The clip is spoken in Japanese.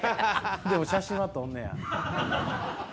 でも写真は撮んねや。